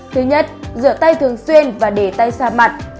thứ nhất rửa tay thường xuyên và để tay xa mặt